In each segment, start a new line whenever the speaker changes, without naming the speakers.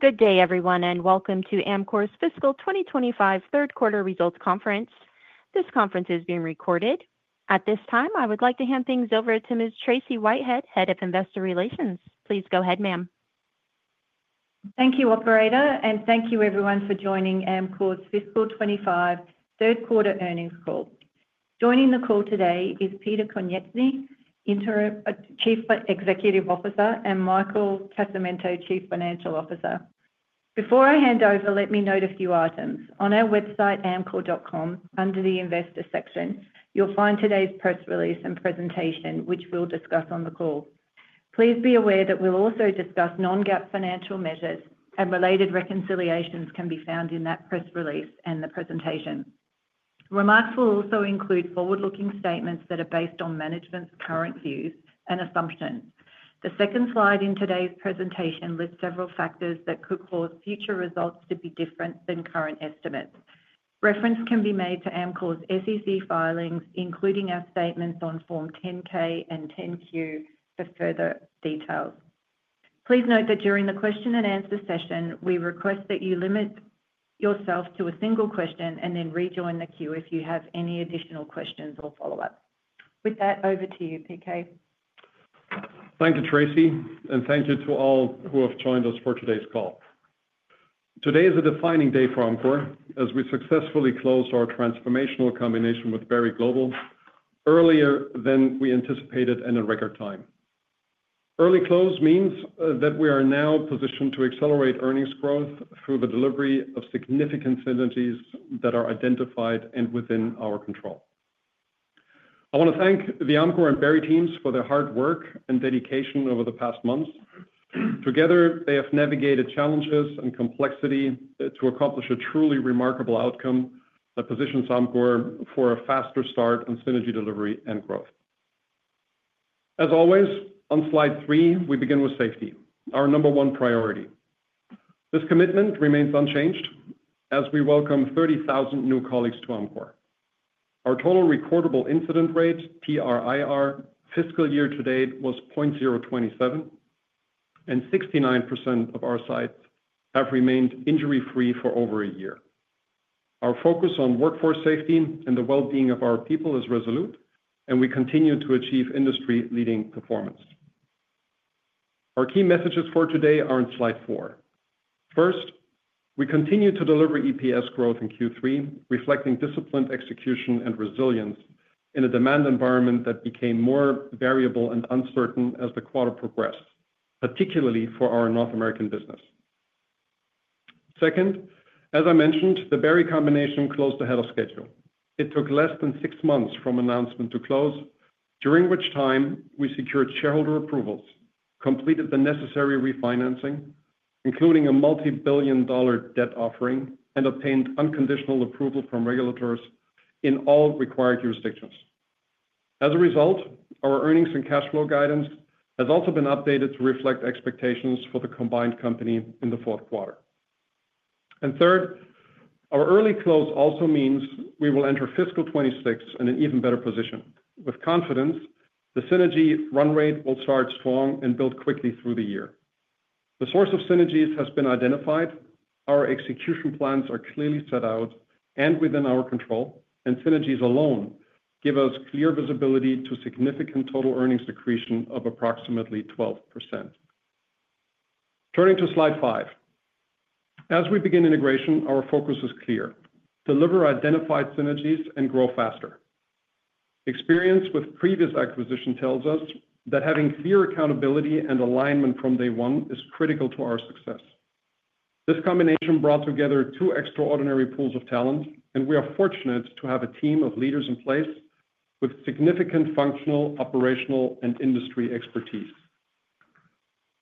Good day, everyone, and welcome to Amcor's fiscal 2025 third quarter results conference. This conference is being recorded. At this time, I would like to hand things over to Ms. Tracey Whitehead, Head of Investor Relations. Please go ahead, ma'am.
Thank you, Operator, and thank you, everyone, for joining Amcor's fiscal 2025 third quarter earnings call. Joining the call today is Peter Konieczny, Chief Executive Officer, and Michael Casamento, Chief Financial Officer. Before I hand over, let me note a few items. On our website, amcor.com, under the Investor section, you'll find today's press release and presentation, which we'll discuss on the call. Please be aware that we'll also discuss non-GAAP financial measures, and related reconciliations can be found in that press release and the presentation. Remarks will also include forward-looking statements that are based on management's current views and assumptions. The second slide in today's presentation lists several factors that could cause future results to be different than current estimates. Reference can be made to Amcor's SEC filings, including our statements on Form 10-K and 10-Q, for further details. Please note that during the question-and-answer session, we request that you limit yourself to a single question and then rejoin the queue if you have any additional questions or follow-ups. With that, over to you, PK.
Thank you, Tracey, and thank you to all who have joined us for today's call. Today is a defining day for Amcor, as we successfully closed our transformational combination with Berry Global earlier than we anticipated and at record time. Early close means that we are now positioned to accelerate earnings growth through the delivery of significant synergies that are identified and within our control. I want to thank the Amcor and Berry teams for their hard work and dedication over the past months. Together, they have navigated challenges and complexity to accomplish a truly remarkable outcome that positions Amcor for a faster start on synergy delivery and growth. As always, on slide three, we begin with safety, our number one priority. This commitment remains unchanged as we welcome 30,000 new colleagues to Amcor. Our total recordable incident rate, TRIR, fiscal year to date was 0.027, and 69% of our sites have remained injury-free for over a year. Our focus on workforce safety and the well-being of our people is resolute, and we continue to achieve industry-leading performance. Our key messages for today are on slide four. First, we continue to deliver EPS growth in Q3, reflecting disciplined execution and resilience in a demand environment that became more variable and uncertain as the quarter progressed, particularly for our North American business. Second, as I mentioned, the Berry Global combination closed ahead of schedule. It took less than six months from announcement to close, during which time we secured shareholder approvals, completed the necessary refinancing, including a multi-billion dollar debt offering, and obtained unconditional approval from regulators in all required jurisdictions. As a result, our earnings and cash flow guidance has also been updated to reflect expectations for the combined company in the fourth quarter. Third, our early close also means we will enter fiscal 2026 in an even better position. With confidence, the synergy run rate will start strong and build quickly through the year. The source of synergies has been identified, our execution plans are clearly set out and within our control, and synergies alone give us clear visibility to significant total earnings decreation of approximately 12%. Turning to slide five, as we begin integration, our focus is clear: deliver identified synergies and grow faster. Experience with previous acquisitions tells us that having clear accountability and alignment from day one is critical to our success. This combination brought together two extraordinary pools of talent, and we are fortunate to have a team of leaders in place with significant functional, operational, and industry expertise.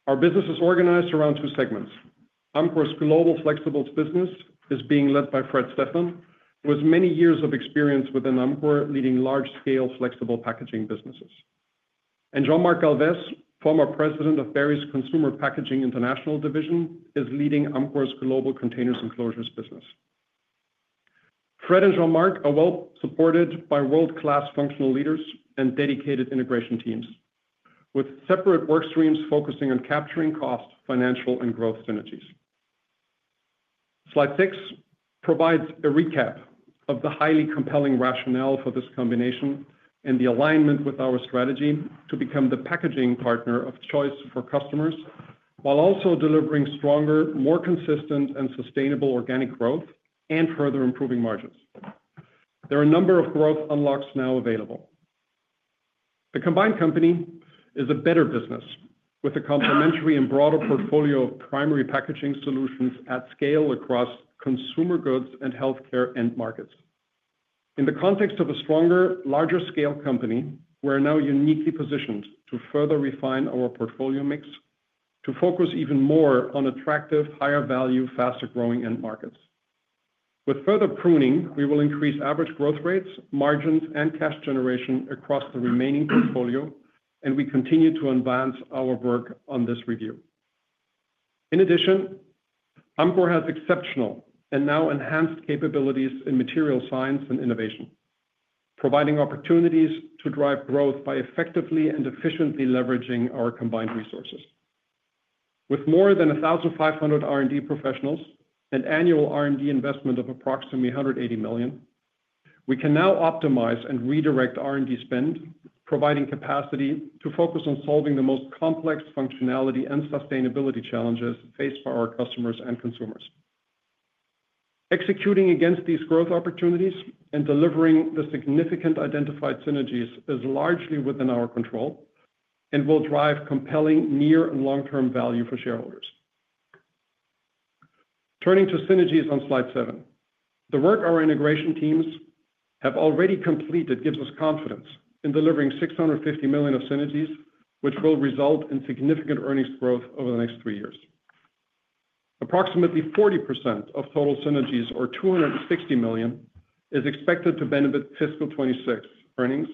Our business is organized around two segments. Amcor's global flexible business is being led by Fred Stephan, who has many years of experience within Amcor, leading large-scale flexible packaging businesses. Jean-Marc Galves, former president of Berry's Consumer Packaging International Division, is leading Amcor's global Containers and Closures business. Fred and Jean-Marc are well supported by world-class functional leaders and dedicated integration teams, with separate work streams focusing on capturing cost, financial, and growth synergies. Slide six provides a recap of the highly compelling rationale for this combination and the alignment with our strategy to become the packaging partner of choice for customers, while also delivering stronger, more consistent, and sustainable organic growth and further improving margins. There are a number of growth unlocks now available. The combined company is a better business with a complementary and broader portfolio of primary packaging solutions at scale across consumer goods and healthcare end markets. In the context of a stronger, larger-scale company, we are now uniquely positioned to further refine our portfolio mix to focus even more on attractive, higher-value, faster-growing end markets. With further pruning, we will increase average growth rates, margins, and cash generation across the remaining portfolio, and we continue to advance our work on this review. In addition, Amcor has exceptional and now enhanced capabilities in material science and innovation, providing opportunities to drive growth by effectively and efficiently leveraging our combined resources. With more than 1,500 R&D professionals and annual R&D investment of approximately $180 million, we can now optimize and redirect R&D spend, providing capacity to focus on solving the most complex functionality and sustainability challenges faced by our customers and consumers. Executing against these growth opportunities and delivering the significant identified synergies is largely within our control and will drive compelling near and long-term value for shareholders. Turning to synergies on slide seven, the work our integration teams have already completed gives us confidence in delivering $650 million of synergies, which will result in significant earnings growth over the next three years. Approximately 40% of total synergies, or $260 million, is expected to benefit fiscal 2026 earnings.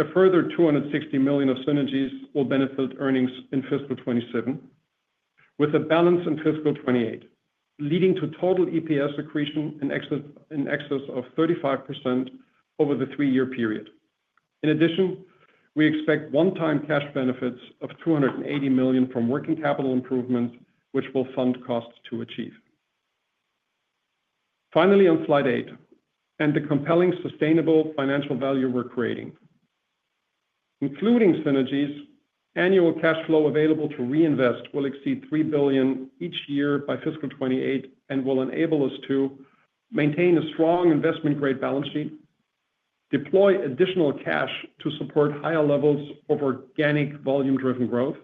A further $260 million of synergies will benefit earnings in fiscal 2027, with a balance in fiscal 2028, leading to total EPS accretion in excess of 35% over the three-year period. In addition, we expect one-time cash benefits of $280 million from working capital improvements, which will fund costs to achieve. Finally, on slide eight. The compelling sustainable financial value we are creating, including synergies, annual cash flow available to reinvest will exceed $3 billion each year by fiscal 2028 and will enable us to maintain a strong investment-grade balance sheet, deploy additional cash to support higher levels of organic volume-driven growth,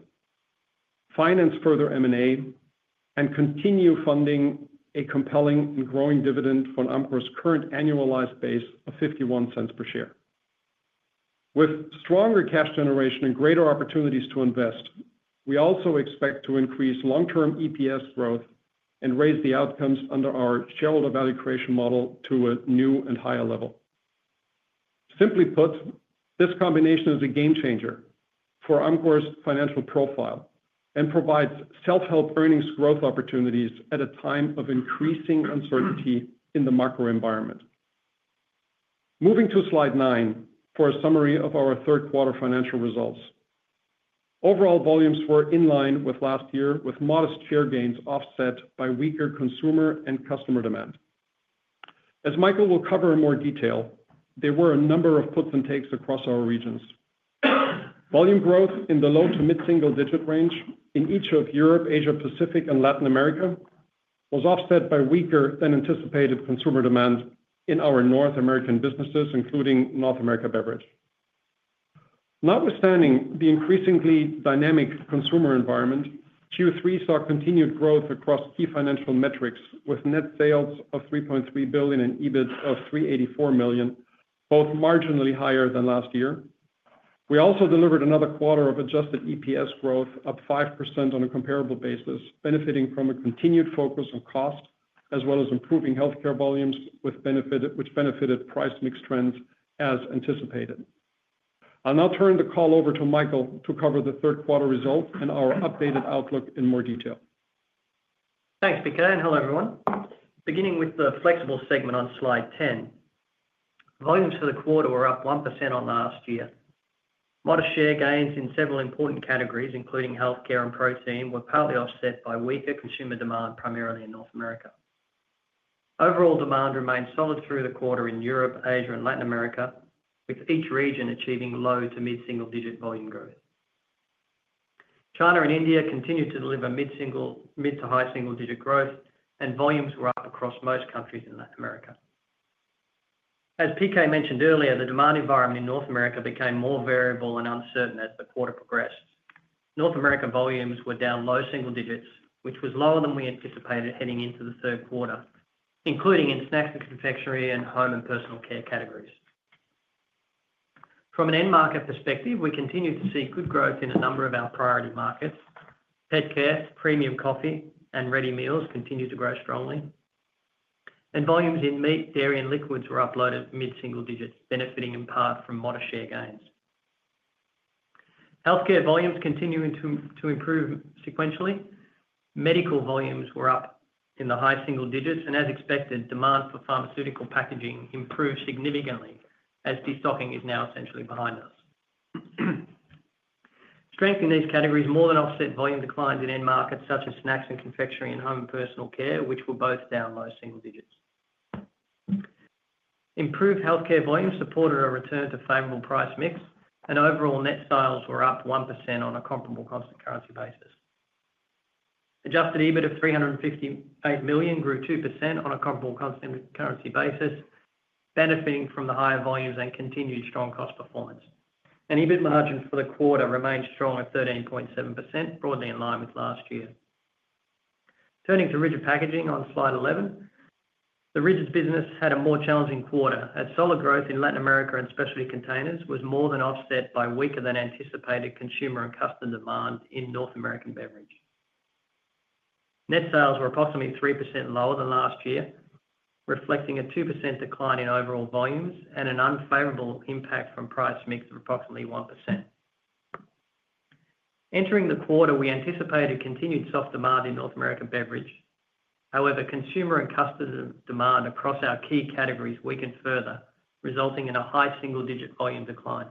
finance further M&A, and continue funding a compelling and growing dividend from Amcor's current annualized base of $0.51 per share. With stronger cash generation and greater opportunities to invest, we also expect to increase long-term EPS growth and raise the outcomes under our shareholder value creation model to a new and higher level. Simply put, this combination is a game changer for Amcor's financial profile and provides self-help earnings growth opportunities at a time of increasing uncertainty in the macro environment. Moving to slide nine for a summary of our third quarter financial results. Overall volumes were in line with last year, with modest share gains offset by weaker consumer and customer demand. As Michael will cover in more detail, there were a number of puts and takes across our regions. Volume growth in the low to mid-single digit range in each of Europe, Asia-Pacific, and Latin America was offset by weaker than anticipated consumer demand in our North American businesses, including North America beverage. Notwithstanding the increasingly dynamic consumer environment, Q3 saw continued growth across key financial metrics, with net sales of $3.3 billion and EBIT of $384 million, both marginally higher than last year. We also delivered another quarter of adjusted EPS growth, up 5% on a comparable basis, benefiting from a continued focus on cost, as well as improving healthcare volumes, which benefited price mix trends as anticipated. I'll now turn the call over to Michael to cover the third quarter results and our updated outlook in more detail.
Thanks, PK. Hello, everyone. Beginning with the flexible segment on slide 10, volumes for the quarter were up 1% on last year. Modest share gains in several important categories, including healthcare and protein, were partly offset by weaker consumer demand, primarily in North America. Overall demand remained solid through the quarter in Europe, Asia, and Latin America, with each region achieving low to mid-single digit volume growth. China and India continued to deliver mid to high single digit growth, and volumes were up across most countries in Latin America. As PK mentioned earlier, the demand environment in North America became more variable and uncertain as the quarter progressed. North America volumes were down low single digits, which was lower than we anticipated heading into the third quarter, including in snacks and confectionery and home and personal care categories. From an end market perspective, we continue to see good growth in a number of our priority markets. Pet care, premium coffee, and ready meals continue to grow strongly. Volumes in meat, dairy, and liquids were up mid-single digits, benefiting in part from modest share gains. Healthcare volumes continue to improve sequentially. Medical volumes were up in the high single digits, and as expected, demand for pharmaceutical packaging improved significantly as destocking is now essentially behind us. Strength in these categories more than offset volume declines in end markets such as snacks and confectionery and home and personal care, which were both down low single digits. Improved healthcare volumes supported a return to favorable price mix, and overall net sales were up 1% on a comparable constant currency basis. Adjusted EBIT of $358 million grew 2% on a comparable constant currency basis, benefiting from the higher volumes and continued strong cost performance. EBIT margin for the quarter remained strong at 13.7%, broadly in line with last year. Turning to rigid packaging on slide 11, the rigid business had a more challenging quarter, as solid growth in Latin America and specialty containers was more than offset by weaker than anticipated consumer and customer demand in North American beverage. Net sales were approximately 3% lower than last year, reflecting a 2% decline in overall volumes and an unfavorable impact from price mix of approximately 1%. Entering the quarter, we anticipated continued soft demand in North American beverage. However, consumer and customer demand across our key categories weakened further, resulting in a high single-digit volume decline.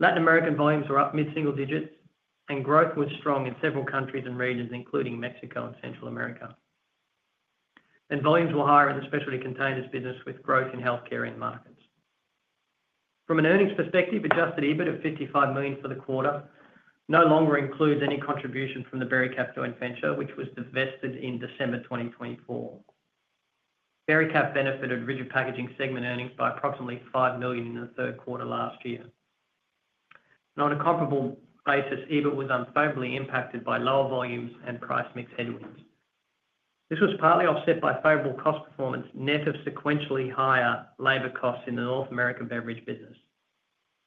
Latin American volumes were up mid-single digits, and growth was strong in several countries and regions, including Mexico and Central America. Volumes were higher in the specialty containers business, with growth in healthcare end markets. From an earnings perspective, adjusted EBIT of $55 million for the quarter no longer includes any contribution from the Berry Capital Inventure, which was divested in December 2024. Berry Cap benefited rigid packaging segment earnings by approximately $5 million in the third quarter last year. On a comparable basis, EBIT was unfavorably impacted by lower volumes and price mix headwinds. This was partly offset by favorable cost performance, net of sequentially higher labor costs in the North American beverage business.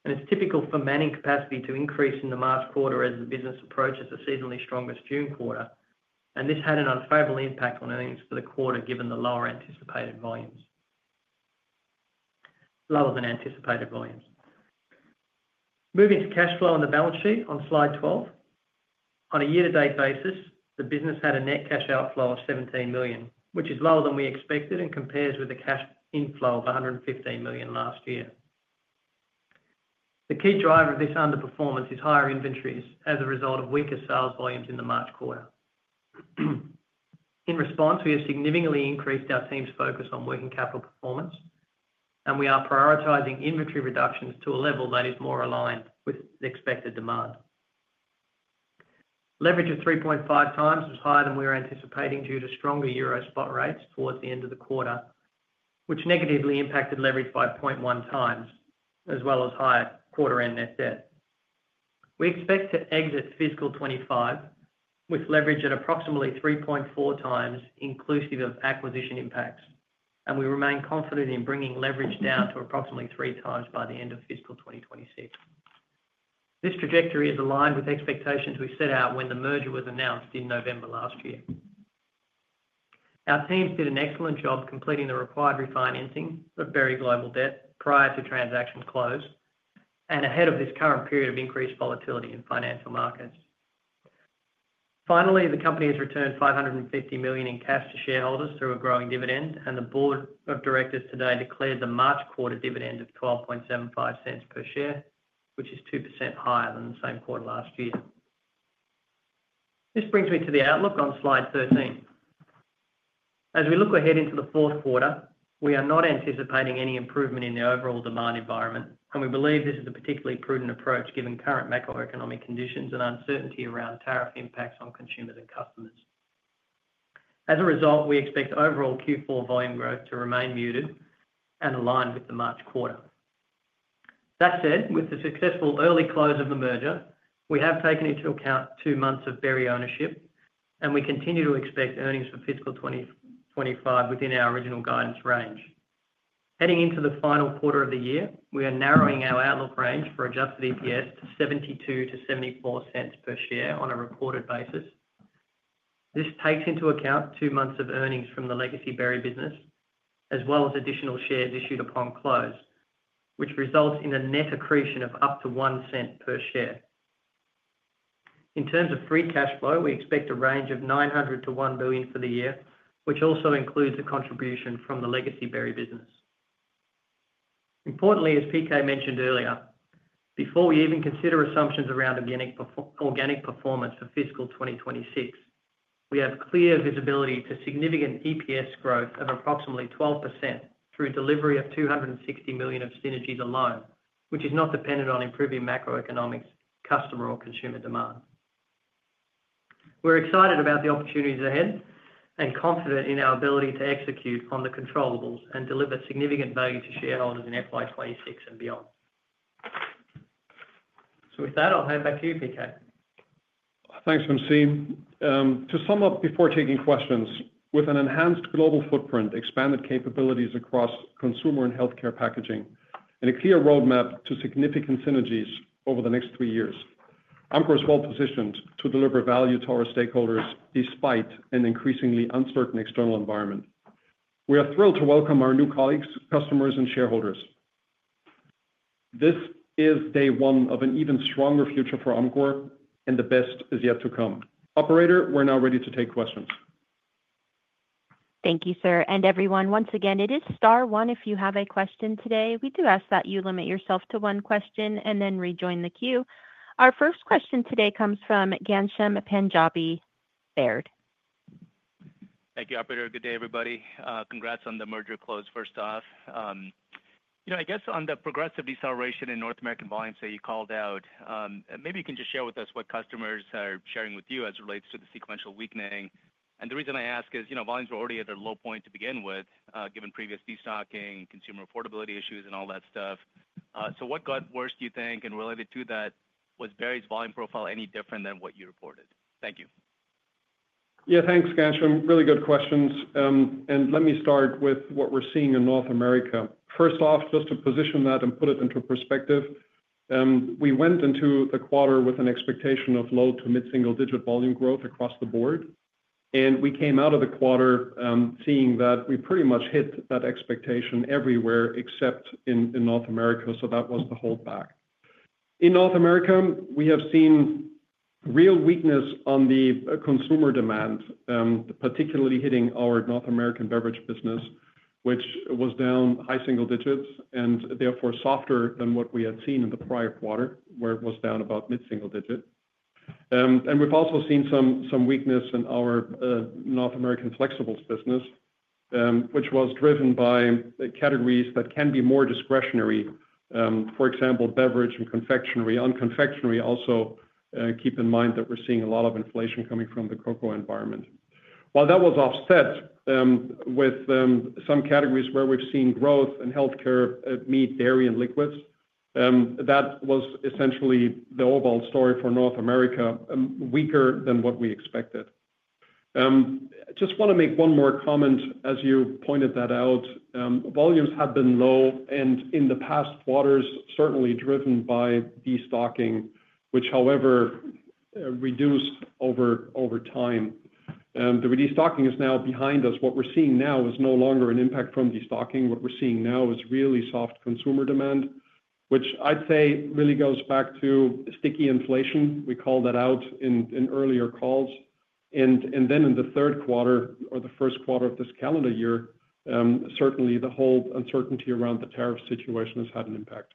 It is typical for manning capacity to increase in the March quarter as the business approaches the seasonally strongest June quarter, and this had an unfavorable impact on earnings for the quarter given the lower anticipated volumes. Lower than anticipated volumes. Moving to cash flow on the balance sheet on slide 12. On a year-to-date basis, the business had a net cash outflow of $17 million, which is lower than we expected and compares with a cash inflow of $115 million last year. The key driver of this underperformance is higher inventories as a result of weaker sales volumes in the March quarter. In response, we have significantly increased our team's focus on working capital performance, and we are prioritizing inventory reductions to a level that is more aligned with expected demand. Leverage of 3.5x was higher than we were anticipating due to stronger euro spot rates towards the end of the quarter, which negatively impacted leverage by 0.1x, as well as higher quarter-end net debt. We expect to exit fiscal 2025 with leverage at approximately 3.4x inclusive of acquisition impacts, and we remain confident in bringing leverage down to approximately 3x by the end of fiscal 2026. This trajectory is aligned with expectations we set out when the merger was announced in November last year. Our teams did an excellent job completing the required refinancing of Berry Global debt prior to transaction close and ahead of this current period of increased volatility in financial markets. Finally, the company has returned $550 million in cash to shareholders through a growing dividend, and the Board of Directors today declared the March quarter dividend of $0.1275 per share, which is 2% higher than the same quarter last year. This brings me to the outlook on slide 13. As we look ahead into the fourth quarter, we are not anticipating any improvement in the overall demand environment, and we believe this is a particularly prudent approach given current macroeconomic conditions and uncertainty around tariff impacts on consumers and customers. As a result, we expect overall Q4 volume growth to remain muted and aligned with the March quarter. That said, with the successful early close of the merger, we have taken into account two months of Berry ownership, and we continue to expect earnings for fiscal 2025 within our original guidance range. Heading into the final quarter of the year, we are narrowing our outlook range for adjusted EPS to $0.72-$0.74 per share on a recorded basis. This takes into account two months of earnings from the legacy Berry business, as well as additional shares issued upon close, which results in a net accretion of up to $0.01 per share. In terms of free cash flow, we expect a range of $900 million-$1 billion for the year, which also includes a contribution from the legacy Berry business. Importantly, as PK mentioned earlier, before we even consider assumptions around organic performance for fiscal 2026, we have clear visibility to significant EPS growth of approximately 12% through delivery of $260 million of synergies alone, which is not dependent on improving macroeconomics, customer, or consumer demand. We're excited about the opportunities ahead and confident in our ability to execute on the controllable and deliver significant value to shareholders in FY2026 and beyond. With that, I'll hand back to you, PK.
Thanks, Michael. To sum up before taking questions, with an enhanced global footprint, expanded capabilities across consumer and healthcare packaging, and a clear roadmap to significant synergies over the next three years, Amcor is well positioned to deliver value to our stakeholders despite an increasingly uncertain external environment. We are thrilled to welcome our new colleagues, customers, and shareholders. This is day one of an even stronger future for Amcor, and the best is yet to come. Operator, we're now ready to take questions.
Thank you, sir. Everyone, once again, it is star one if you have a question today. We do ask that you limit yourself to one question and then rejoin the queue. Our first question today comes from Ghansham Panjabi at Baird.
Thank you, Operator. Good day, everybody. Congrats on the merger close, first off. I guess on the progressive deceleration in North American volumes that you called out, maybe you can just share with us what customers are sharing with you as it relates to the sequential weakening. The reason I ask is volumes were already at a low point to begin with, given previous destocking, consumer affordability issues, and all that stuff. What got worse, do you think, and related to that, was Berry's volume profile any different than what you reported? Thank you.
Yeah, thanks, Ghansham. Really good questions. Let me start with what we're seeing in North America. First off, just to position that and put it into perspective, we went into the quarter with an expectation of low to mid-single digit volume growth across the board. We came out of the quarter seeing that we pretty much hit that expectation everywhere except in North America, so that was the holdback. In North America, we have seen real weakness on the consumer demand, particularly hitting our North American beverage business, which was down high single digits and therefore softer than what we had seen in the prior quarter, where it was down about mid-single digit. We have also seen some weakness in our North American flexibles business, which was driven by categories that can be more discretionary, for example, beverage and confectionery. On confectionery, also keep in mind that we're seeing a lot of inflation coming from the cocoa environment. While that was offset with some categories where we've seen growth in healthcare, meat, dairy, and liquids, that was essentially the overall story for North America, weaker than what we expected. I just want to make one more comment. As you pointed that out, volumes have been low, and in the past quarters, certainly driven by destocking, which, however, reduced over time. The restocking is now behind us. What we're seeing now is no longer an impact from destocking. What we're seeing now is really soft consumer demand, which I'd say really goes back to sticky inflation. We called that out in earlier calls. In the third quarter or the first quarter of this calendar year, certainly the whole uncertainty around the tariff situation has had an impact.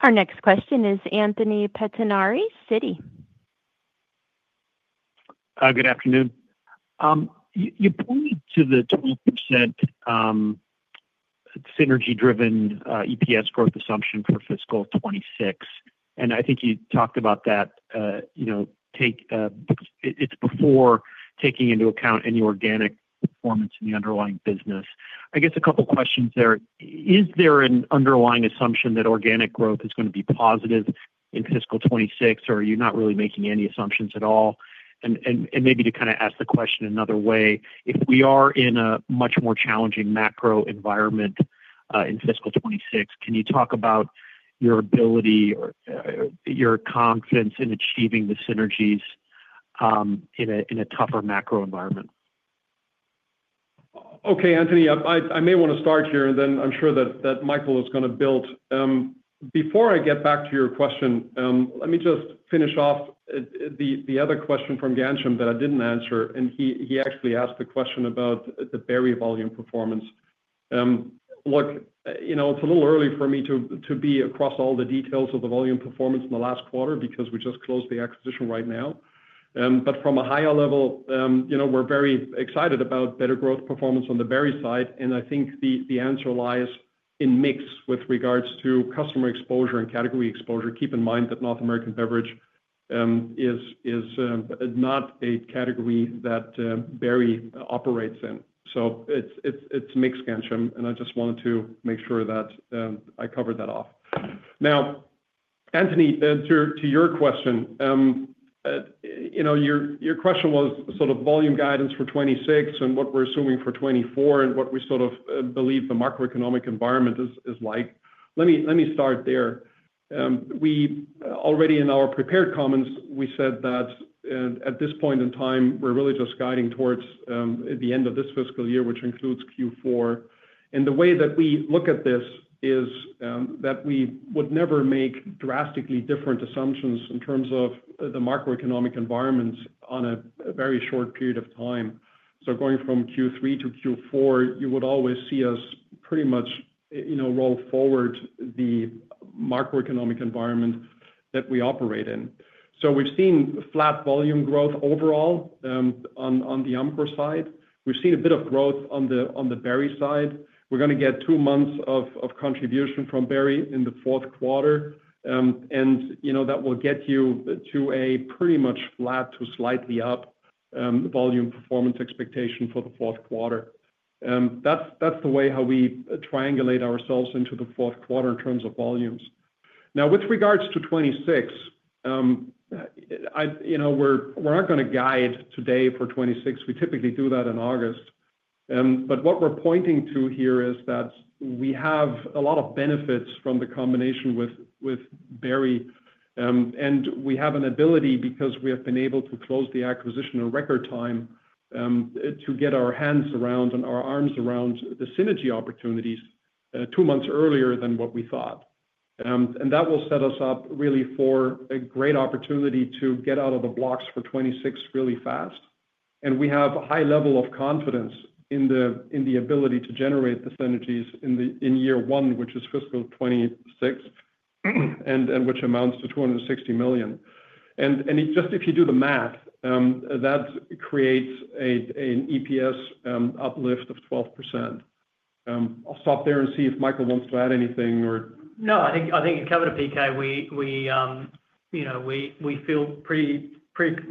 Our next question is Anthony Pettinari, Citi.
Good afternoon. You pointed to the 12% synergy-driven EPS growth assumption for fiscal 2026. I think you talked about that. It is before taking into account any organic performance in the underlying business. I guess a couple of questions there. Is there an underlying assumption that organic growth is going to be positive in fiscal 2026, or are you not really making any assumptions at all? Maybe to kind of ask the question another way, if we are in a much more challenging macro environment in fiscal 2026, can you talk about your ability or your confidence in achieving the synergies in a tougher macro environment?
Okay, Anthony, I may want to start here, and then I'm sure that Michael is going to build. Before I get back to your question, let me just finish off the other question from Ghansham that I didn't answer. He actually asked the question about the Berry volume performance. Look, it's a little early for me to be across all the details of the volume performance in the last quarter because we just closed the acquisition right now. From a higher level, we're very excited about better growth performance on the Berry side. I think the answer lies in mix with regards to customer exposure and category exposure. Keep in mind that North American beverage is not a category that Berry operates in. It's mix, Ghansham, and I just wanted to make sure that I covered that off. Now, Anthony, to your question, your question was sort of volume guidance for 2026 and what we're assuming for 2024 and what we sort of believe the macroeconomic environment is like. Let me start there. Already in our prepared comments, we said that at this point in time, we're really just guiding towards the end of this fiscal year, which includes Q4. The way that we look at this is that we would never make drastically different assumptions in terms of the macroeconomic environments on a very short period of time. Going from Q3 to Q4, you would always see us pretty much roll forward the macroeconomic environment that we operate in. We have seen flat volume growth overall on the Amcor side. We have seen a bit of growth on the Berry side. We are going to get two months of contribution from Berry in the fourth quarter. That will get you to a pretty much flat to slightly up volume performance expectation for the fourth quarter. That is the way how we triangulate ourselves into the fourth quarter in terms of volumes. Now, with regards to 2026, we are not going to guide today for 2026. We typically do that in August. What we are pointing to here is that we have a lot of benefits from the combination with Berry. We have an ability because we have been able to close the acquisition in record time to get our hands around and our arms around the synergy opportunities two months earlier than what we thought. That will set us up really for a great opportunity to get out of the blocks for 2026 really fast. We have a high level of confidence in the ability to generate the synergies in year one, which is fiscal 2026, and which amounts to $260 million. If you do the math, that creates an EPS uplift of 12%. I'll stop there and see if Michael wants to add anything or.
No, I think you covered it, PK. We feel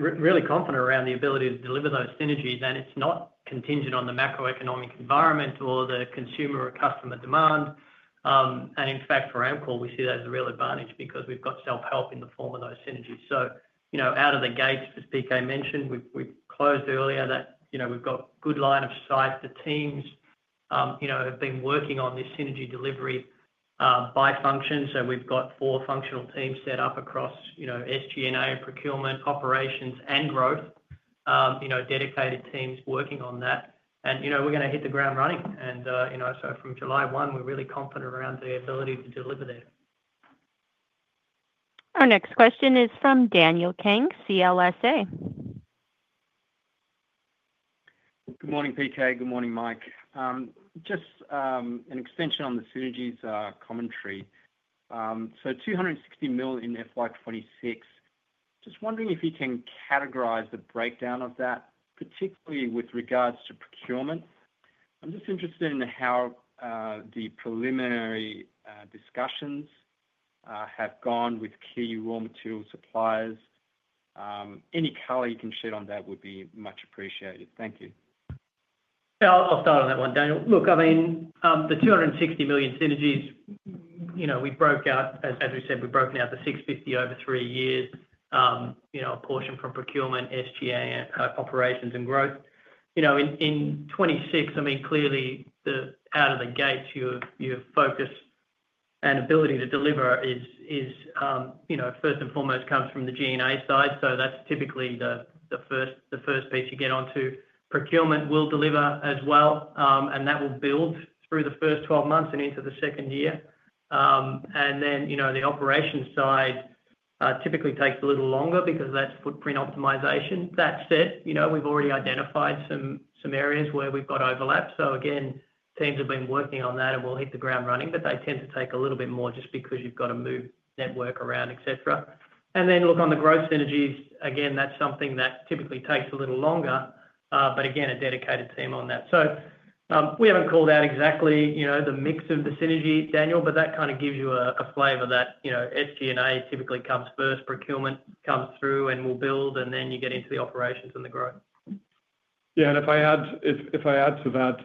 really confident around the ability to deliver those synergies, and it's not contingent on the macroeconomic environment or the consumer or customer demand. In fact, for Amcor, we see that as a real advantage because we've got self-help in the form of those synergies. Out of the gates, as PK mentioned, we've closed earlier that we've got a good line of sight. The teams have been working on this synergy delivery by function. We've got four functional teams set up across SG&A, procurement, operations, and growth, dedicated teams working on that. We're going to hit the ground running. From July 1, we're really confident around the ability to deliver there.
Our next question is from Daniel Kang, CLSA.
Good morning, PK. Good morning, Mike. Just an extension on the synergies commentary. $260 million in FY 2026. Just wondering if you can categorize the breakdown of that, particularly with regards to procurement. I'm just interested in how the preliminary discussions have gone with key raw material suppliers. Any color you can shed on that would be much appreciated. Thank you.
Yeah, I'll start on that one, Daniel. Look, I mean, the $260 million synergies, we broke out, as we said, we've broken out the $650 million over three years, a portion from procurement, SG&A, operations, and growth. In 2026, I mean, clearly, out of the gate, your focus and ability to deliver is, first and foremost, comes from the G&A side. That's typically the first piece you get onto. Procurement will deliver as well, and that will build through the first 12 months and into the second year. The operations side typically takes a little longer because that's footprint optimization. That said, we've already identified some areas where we've got overlap. Again, teams have been working on that, and we'll hit the ground running, but they tend to take a little bit more just because you've got to move network around, etc. Looking at the growth synergies, again, that's something that typically takes a little longer, but again, a dedicated team on that. We haven't called out exactly the mix of the synergy, Daniel, but that kind of gives you a flavor that SG&A typically comes first, procurement comes through, and we'll build, and then you get into the operations and the growth.
Yeah, and if I add to that,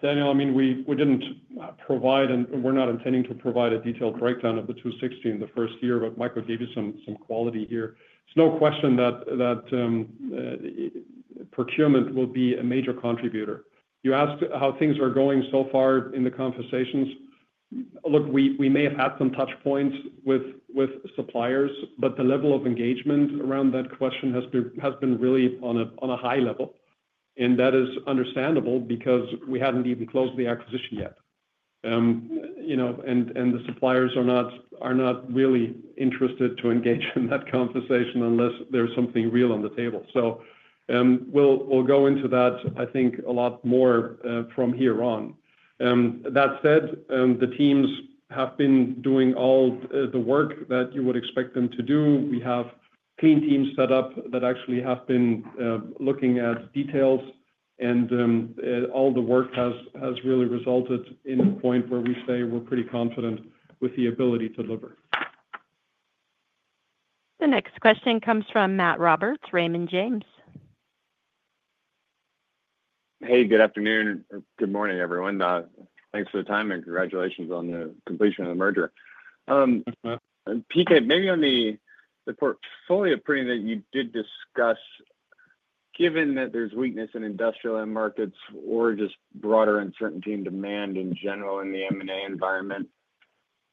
Daniel, I mean, we did not provide, and we are not intending to provide a detailed breakdown of the 260 in the first year, but Michael gave you some quality here. It is no question that procurement will be a major contributor. You asked how things are going so far in the conversations. Look, we may have had some touchpoints with suppliers, but the level of engagement around that question has been really on a high level. That is understandable because we had not even closed the acquisition yet. The suppliers are not really interested to engage in that conversation unless there is something real on the table. We will go into that, I think, a lot more from here on. That said, the teams have been doing all the work that you would expect them to do. We have clean teams set up that actually have been looking at details, and all the work has really resulted in a point where we say we're pretty confident with the ability to deliver.
The next question comes from Matt Roberts, Raymond James.
Hey, good afternoon or good morning, everyone. Thanks for the time, and congratulations on the completion of the merger. PK, maybe on the portfolio pruning that you did discuss, given that there's weakness in industrial end markets or just broader uncertainty in demand in general in the M&A environment,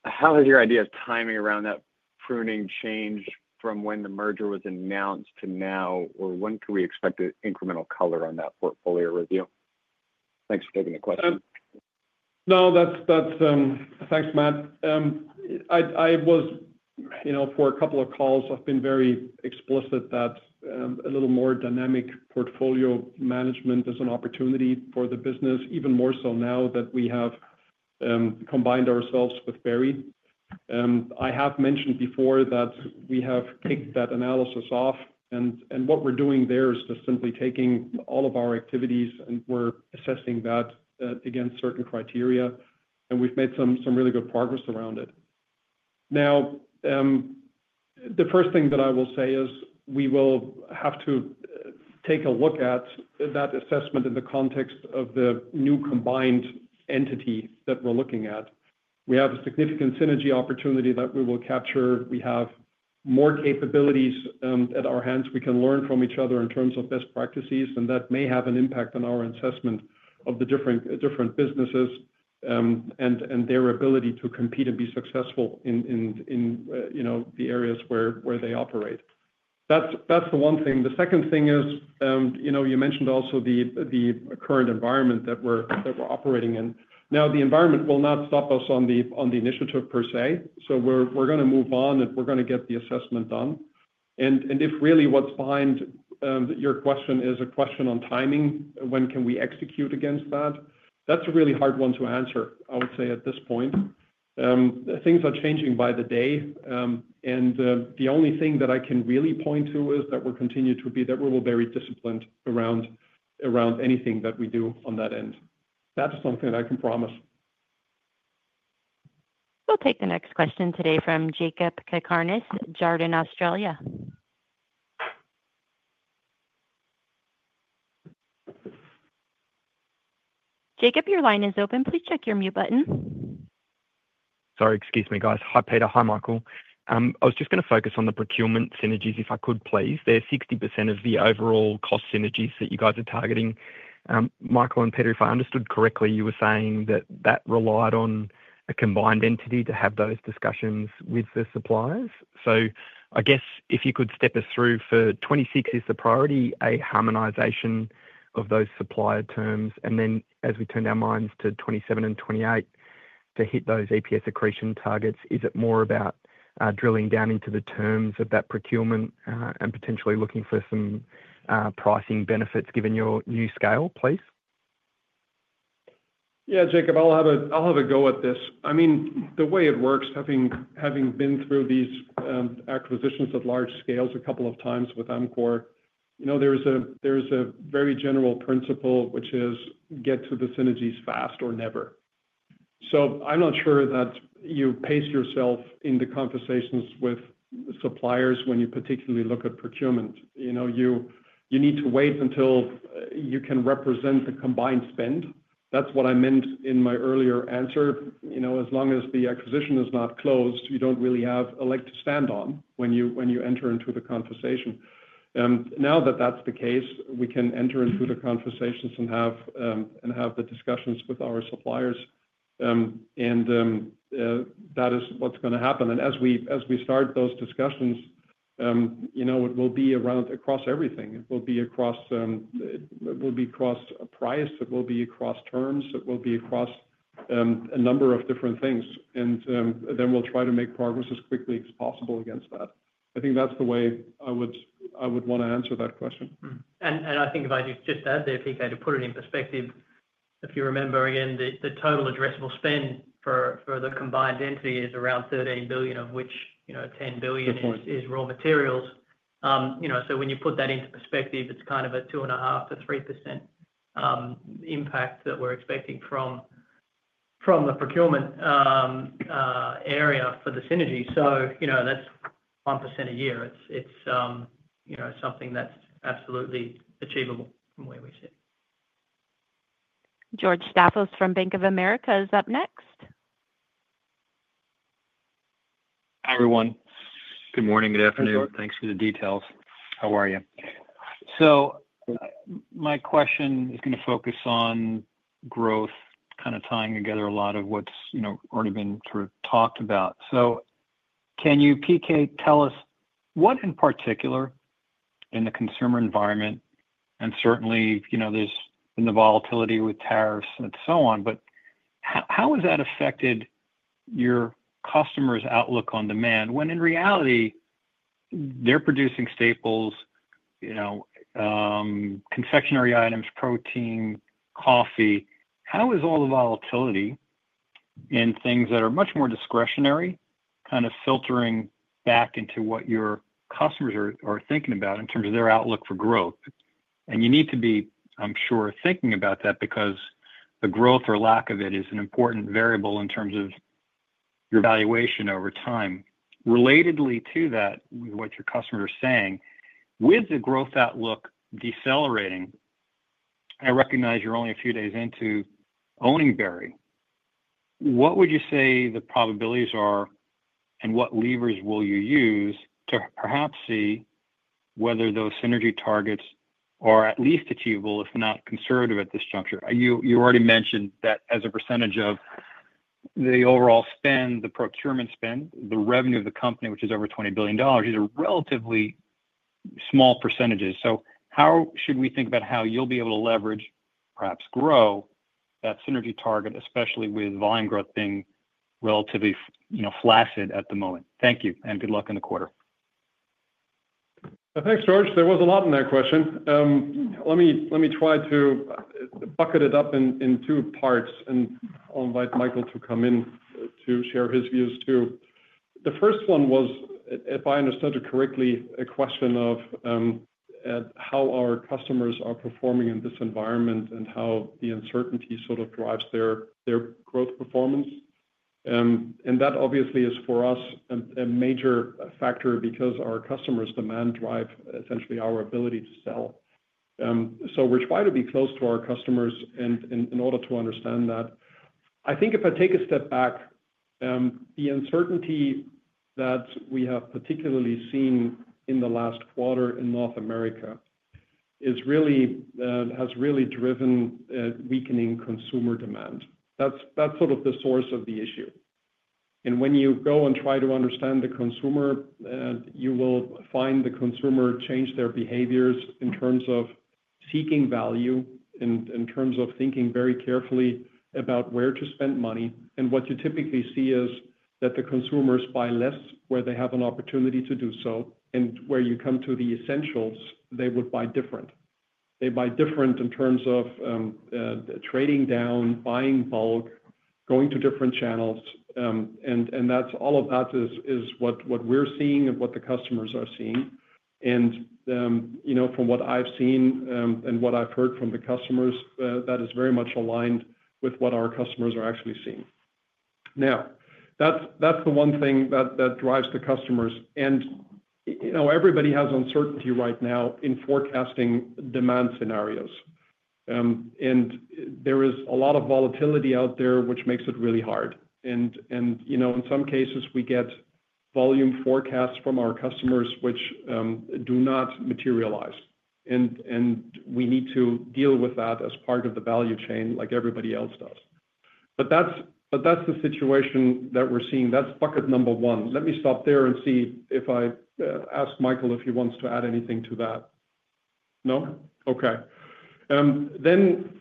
how has your idea of timing around that pruning changed from when the merger was announced to now, or when can we expect an incremental color on that portfolio review? Thanks for taking the question.
No, thanks, Matt. For a couple of calls, I've been very explicit that a little more dynamic portfolio management is an opportunity for the business, even more so now that we have combined ourselves with Berry. I have mentioned before that we have kicked that analysis off, and what we're doing there is just simply taking all of our activities, and we're assessing that against certain criteria, and we've made some really good progress around it. Now, the first thing that I will say is we will have to take a look at that assessment in the context of the new combined entity that we're looking at. We have a significant synergy opportunity that we will capture. We have more capabilities at our hands. We can learn from each other in terms of best practices, and that may have an impact on our assessment of the different businesses and their ability to compete and be successful in the areas where they operate. That is the one thing. The second thing is you mentioned also the current environment that we are operating in. Now, the environment will not stop us on the initiative per se. We are going to move on, and we are going to get the assessment done. If really what is behind your question is a question on timing, when can we execute against that? That is a really hard one to answer, I would say, at this point. Things are changing by the day. The only thing that I can really point to is that we will continue to be very disciplined around anything that we do on that end. That's something that I can promise.
We'll take the next question today from Jakob Cakarnis, Jarden Australia. Jakob, your line is open. Please check your mute button.
Sorry, excuse me, guys. Hi, Peter. Hi, Michael. I was just going to focus on the procurement synergies if I could, please. They're 60% of the overall cost synergies that you guys are targeting. Michael and Peter, if I understood correctly, you were saying that that relied on a combined entity to have those discussions with the suppliers. I guess if you could step us through for 2026, is the priority a harmonization of those supplier terms? As we turned our minds to 2027 and 2028 to hit those EPS accretion targets, is it more about drilling down into the terms of that procurement and potentially looking for some pricing benefits given your new scale, please?
Yeah, Jakob, I'll have a go at this. I mean, the way it works, having been through these acquisitions at large scales a couple of times with Amcor, there is a very general principle, which is get to the synergies fast or never. I am not sure that you pace yourself in the conversations with suppliers when you particularly look at procurement. You need to wait until you can represent the combined spend. That is what I meant in my earlier answer. As long as the acquisition is not closed, you do not really have a leg to stand on when you enter into the conversation. Now that that is the case, we can enter into the conversations and have the discussions with our suppliers. That is what is going to happen. As we start those discussions, it will be around across everything. It will be across price. It will be across terms. It will be across a number of different things. We will try to make progress as quickly as possible against that. I think that's the way I would want to answer that question.
I think if I just add there, PK, to put it in perspective, if you remember, again, the total addressable spend for the combined entity is around $13 billion, of which $10 billion is raw materials. When you put that into perspective, it is kind of a 2.5%-3% impact that we are expecting from the procurement area for the synergy. That is 1% a year. It is something that is absolutely achievable from where we sit.
George Staphos from Bank of America is up next.
Hi everyone. Good morning. Good afternoon. Thanks for the details. How are you? My question is going to focus on growth, kind of tying together a lot of what's already been sort of talked about. Can you, PK, tell us what in particular in the consumer environment, and certainly there's been the volatility with tariffs and so on, but how has that affected your customer's outlook on demand when, in reality, they're producing staples, confectionery items, protein, coffee? How is all the volatility in things that are much more discretionary kind of filtering back into what your customers are thinking about in terms of their outlook for growth? You need to be, I'm sure, thinking about that because the growth or lack of it is an important variable in terms of your valuation over time. Relatedly to that, with what your customers are saying, with the growth outlook decelerating, I recognize you're only a few days into owning Berry. What would you say the probabilities are, and what levers will you use to perhaps see whether those synergy targets are at least achievable, if not conservative at this juncture? You already mentioned that as a percentage of the overall spend, the procurement spend, the revenue of the company, which is over $20 billion, these are relatively small percentages. How should we think about how you'll be able to leverage, perhaps grow that synergy target, especially with volume growth being relatively flaccid at the moment? Thank you, and good luck in the quarter.
Thanks, George. There was a lot in that question. Let me try to bucket it up in two parts, and I'll invite Michael to come in to share his views too. The first one was, if I understood it correctly, a question of how our customers are performing in this environment and how the uncertainty sort of drives their growth performance. That obviously is, for us, a major factor because our customers' demand drives essentially our ability to sell. We are trying to be close to our customers in order to understand that. I think if I take a step back, the uncertainty that we have particularly seen in the last quarter in North America has really driven weakening consumer demand. That is sort of the source of the issue. When you go and try to understand the consumer, you will find the consumer changes their behaviors in terms of seeking value, in terms of thinking very carefully about where to spend money. What you typically see is that the consumers buy less where they have an opportunity to do so, and where you come to the essentials, they would buy different. They buy different in terms of trading down, buying bulk, going to different channels. All of that is what we're seeing and what the customers are seeing. From what I've seen and what I've heard from the customers, that is very much aligned with what our customers are actually seeing. That is the one thing that drives the customers. Everybody has uncertainty right now in forecasting demand scenarios. There is a lot of volatility out there, which makes it really hard. In some cases, we get volume forecasts from our customers, which do not materialize. We need to deal with that as part of the value chain like everybody else does. That is the situation that we are seeing. That is bucket number one. Let me stop there and see if I ask Michael if he wants to add anything to that.
No.
Okay.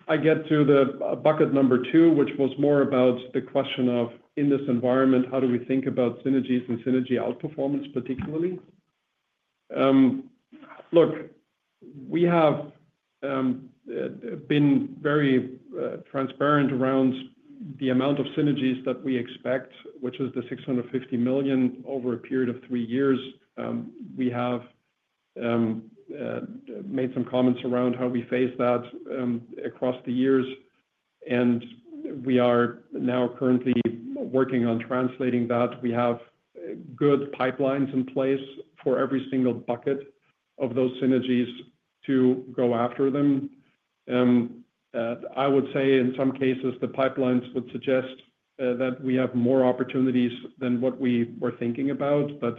I get to bucket number two, which was more about the question of, in this environment, how do we think about synergies and synergy outperformance particularly? Look, we have been very transparent around the amount of synergies that we expect, which is the $650 million over a period of three years. We have made some comments around how we phase that across the years. We are now currently working on translating that. We have good pipelines in place for every single bucket of those synergies to go after them. I would say, in some cases, the pipelines would suggest that we have more opportunities than what we were thinking about, but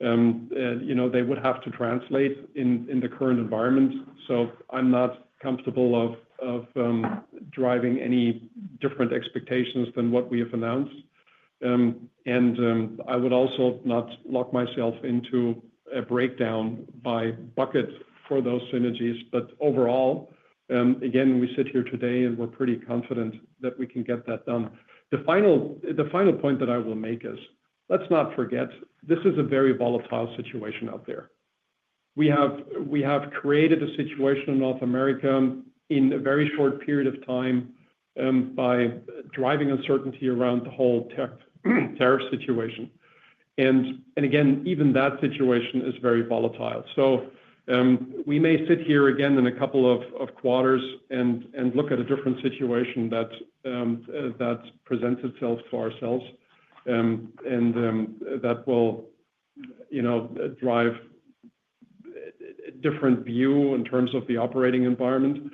they would have to translate in the current environment. I am not comfortable with driving any different expectations than what we have announced. I would also not lock myself into a breakdown by bucket for those synergies. Overall, again, we sit here today, and we are pretty confident that we can get that done. The final point that I will make is let's not forget, this is a very volatile situation out there. We have created a situation in North America in a very short period of time by driving uncertainty around the whole tariff situation. Even that situation is very volatile. We may sit here again in a couple of quarters and look at a different situation that presents itself to ourselves, and that will drive a different view in terms of the operating environment.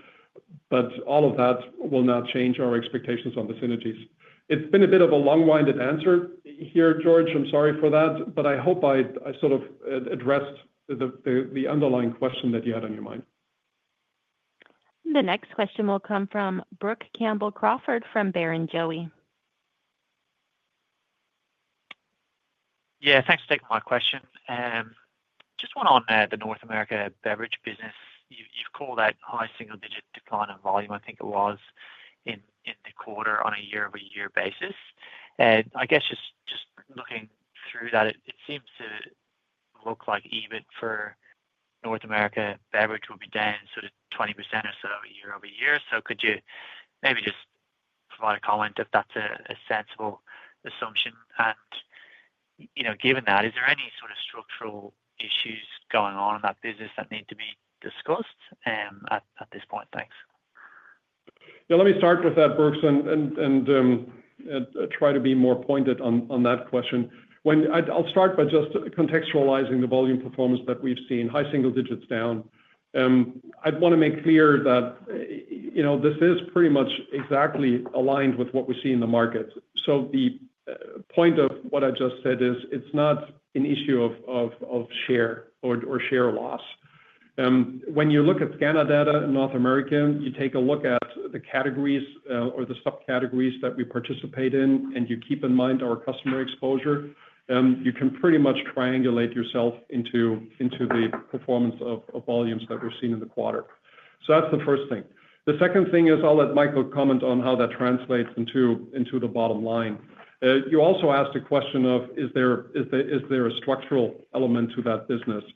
All of that will not change our expectations on the synergies. It has been a bit of a long-winded answer here, George. I'm sorry for that, but I hope I sort of addressed the underlying question that you had on your mind.
The next question will come from Brook Campbell-Crawford from Barrenjoey.
Yeah, thanks for taking my question. Just one on the North America beverage business. You've called that high single-digit decline in volume, I think it was, in the quarter on a year-over-year basis. I guess just looking through that, it seems to look like even for North America beverage will be down sort of 20% or so year-over-year. Could you maybe just provide a comment if that's a sensible assumption? Given that, is there any sort of structural issues going on in that business that need to be discussed at this point? Thanks.
Yeah, let me start with that, Brook, and try to be more pointed on that question. I'll start by just contextualizing the volume performance that we've seen, high single digits down. I'd want to make clear that this is pretty much exactly aligned with what we see in the market. The point of what I just said is it's not an issue of share or share loss. When you look at SCANA data in North America, you take a look at the categories or the subcategories that we participate in, and you keep in mind our customer exposure, you can pretty much triangulate yourself into the performance of volumes that we've seen in the quarter. That's the first thing. The second thing is I'll let Michael comment on how that translates into the bottom line. You also asked a question of, is there a structural element to that business? We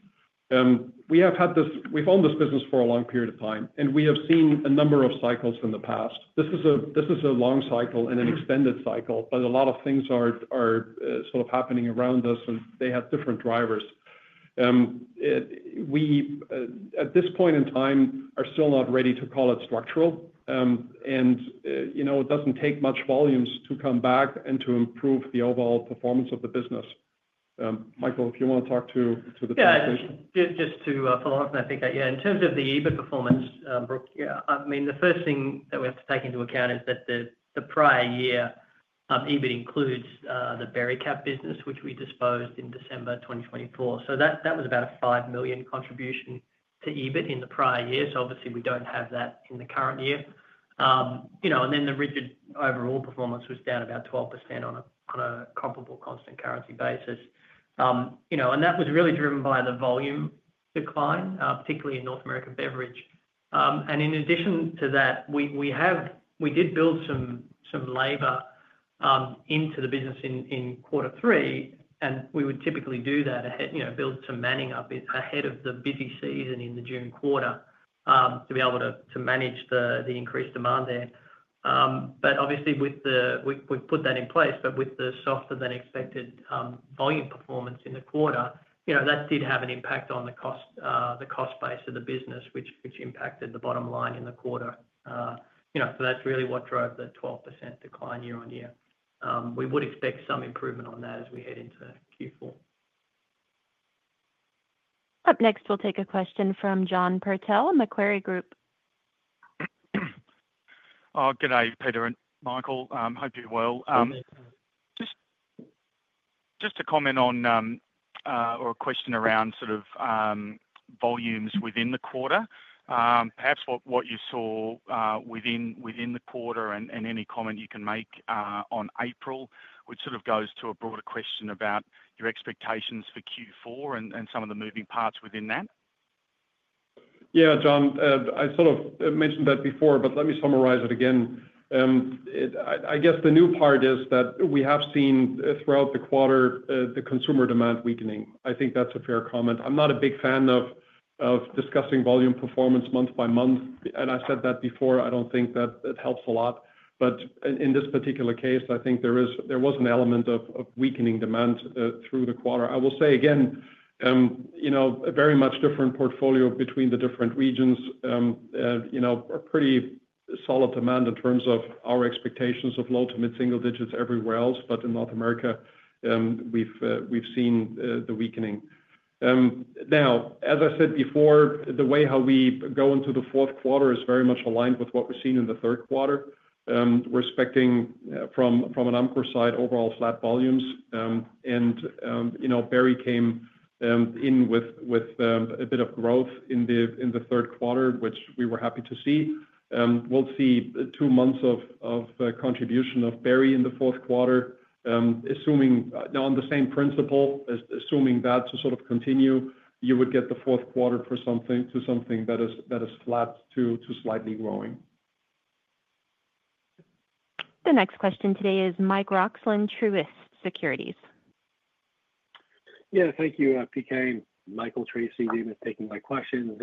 have had this, we've owned this business for a long period of time, and we have seen a number of cycles in the past. This is a long cycle and an extended cycle, but a lot of things are sort of happening around us, and they have different drivers. We, at this point in time, are still not ready to call it structural. It does not take much volumes to come back and to improve the overall performance of the business. Michael, if you want to talk to the conversation.
Yeah, just to follow up on that, PK, yeah, in terms of the EBIT performance, Brook, I mean, the first thing that we have to take into account is that the prior year EBIT includes the Bericap business, which we disposed in December 2024. That was about a $5 million contribution to EBIT in the prior year. Obviously, we do not have that in the current year. The rigid overall performance was down about 12% on a comparable constant currency basis. That was really driven by the volume decline, particularly in North America beverage. In addition to that, we did build some labor into the business in quarter three, and we would typically do that, build some manning up ahead of the busy season in the June quarter to be able to manage the increased demand there. Obviously, we put that in place, but with the softer-than-expected volume performance in the quarter, that did have an impact on the cost base of the business, which impacted the bottom line in the quarter. That is really what drove the 12% decline year-on-year. We would expect some improvement on that as we head into Q4.
Up next, we'll take a question from John Purtell of Macquarie Group.
Good day, Peter and Michael. Hope you're well. Just a comment on or a question around sort of volumes within the quarter, perhaps what you saw within the quarter and any comment you can make on April, which sort of goes to a broader question about your expectations for Q4 and some of the moving parts within that.
Yeah, John, I sort of mentioned that before, but let me summarize it again. I guess the new part is that we have seen throughout the quarter the consumer demand weakening. I think that's a fair comment. I'm not a big fan of discussing volume performance month by month, and I said that before. I don't think that it helps a lot. In this particular case, I think there was an element of weakening demand through the quarter. I will say again, a very much different portfolio between the different regions, pretty solid demand in terms of our expectations of low to mid-single digits everywhere else, but in North America, we've seen the weakening. Now, as I said before, the way how we go into the fourth quarter is very much aligned with what we've seen in the third quarter. We're expecting, from an Amcor side, overall flat volumes. Berry came in with a bit of growth in the third quarter, which we were happy to see. We'll see two months of contribution of Berry in the fourth quarter. Now, on the same principle, assuming that to sort of continue, you would get the fourth quarter to something that is flat to slightly growing.
The next question today is Mike Roxland, Truist Securities.
Yeah, thank you, PK, Michael, Tracey, thank you for taking my questions.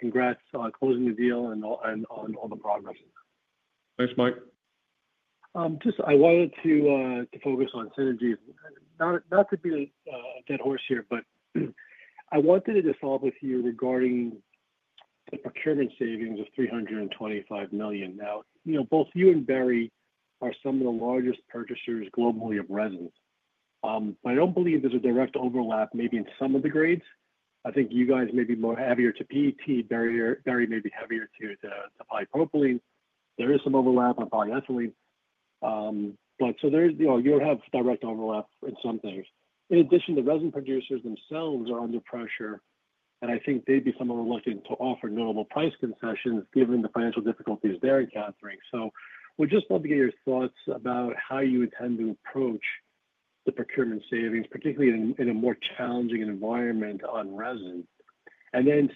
Congrats on closing the deal and on all the progress.
Thanks, Mike.
Just I wanted to focus on synergies. Not to be a dead horse here, but I wanted to just follow up with you regarding the procurement savings of $325 million. Now, both you and Berry are some of the largest purchasers globally of resins. I do not believe there is a direct overlap maybe in some of the grades. I think you guys may be more heavier to PET, Berry may be heavier to polypropylene. There is some overlap on polyethylene. You do not have direct overlap in some things. In addition, the resin producers themselves are under pressure, and I think they would be somewhat reluctant to offer notable price concessions given the financial difficulties they are encountering. We would just love to get your thoughts about how you intend to approach the procurement savings, particularly in a more challenging environment on resin.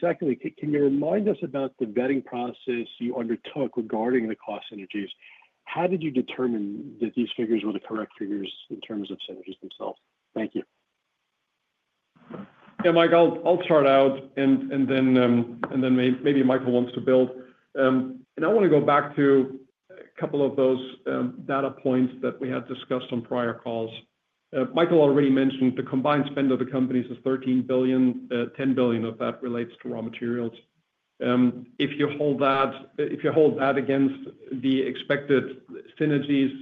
Secondly, can you remind us about the vetting process you undertook regarding the cost synergies? How did you determine that these figures were the correct figures in terms of synergies themselves? Thank you.
Yeah, Mike, I'll start out, and then maybe Michael wants to build. I want to go back to a couple of those data points that we had discussed on prior calls. Michael already mentioned the combined spend of the companies is $13 billion. $10 billion of that relates to raw materials. If you hold that against the expected synergies,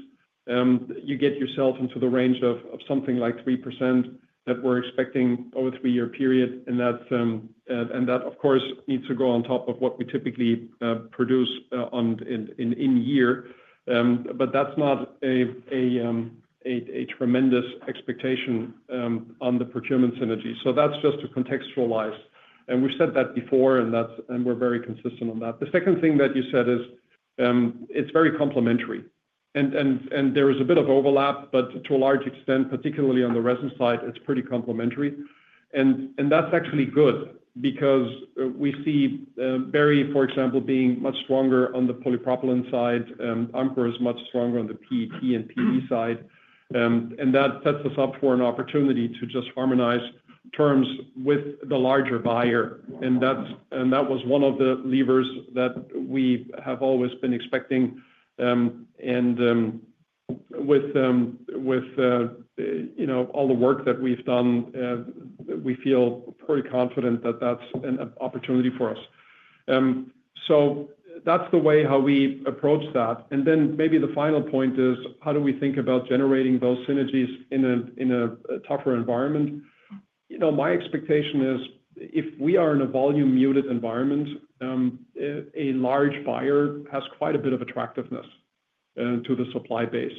you get yourself into the range of something like 3% that we're expecting over a three-year period. That, of course, needs to go on top of what we typically produce in year. That's not a tremendous expectation on the procurement synergy. That's just to contextualize. We've said that before, and we're very consistent on that. The second thing that you said is it's very complementary. There is a bit of overlap, but to a large extent, particularly on the resin side, it's pretty complementary. That's actually good because we see Berry, for example, being much stronger on the polypropylene side. Amcor is much stronger on the PET and PE side. That sets us up for an opportunity to just harmonize terms with the larger buyer. That was one of the levers that we have always been expecting. With all the work that we've done, we feel pretty confident that that's an opportunity for us. That's the way how we approach that. Maybe the final point is, how do we think about generating those synergies in a tougher environment? My expectation is if we are in a volume-muted environment, a large buyer has quite a bit of attractiveness to the supply base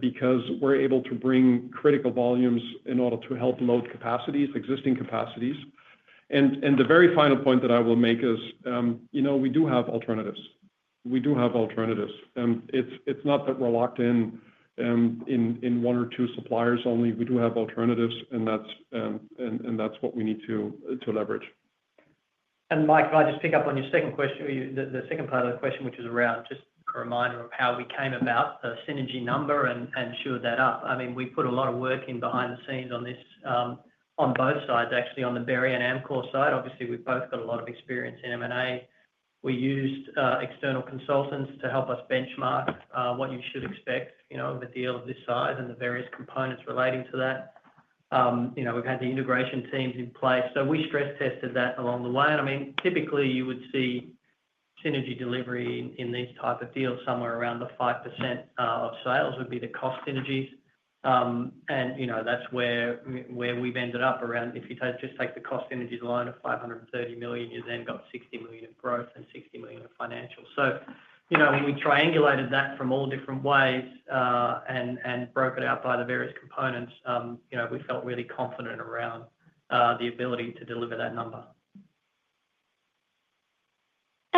because we're able to bring critical volumes in order to help load existing capacities. The very final point that I will make is we do have alternatives. We do have alternatives. It's not that we're locked in in one or two suppliers only. We do have alternatives, and that's what we need to leverage.
Mike, can I just pick up on your second question, the second part of the question, which is around just a reminder of how we came about the synergy number and shored that up? I mean, we put a lot of work in behind the scenes on this on both sides, actually, on the Berry and Amcor side. Obviously, we have both got a lot of experience in M&A. We used external consultants to help us benchmark what you should expect with a deal of this size and the various components relating to that. We have had the integration teams in place. We stress-tested that along the way. I mean, typically, you would see synergy delivery in these types of deals somewhere around the 5% of sales would be the cost synergies. That is where we have ended up around. If you just take the cost synergy line of $530 million, you then got $60 million of growth and $60 million of financial. When we triangulated that from all different ways and broke it out by the various components, we felt really confident around the ability to deliver that number.